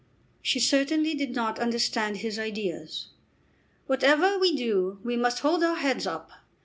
She certainly did not understand his ideas. "Whatever we do we must hold our heads up.